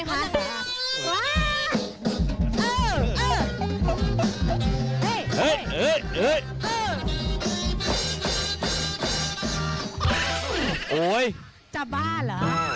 เฮยกตำบล